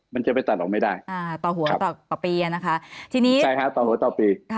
มันจะไปตัดออกไม่ได้ต่อหัวต่อปีนะคะทีนี้ใช่ค่ะต่อหัวต่อปี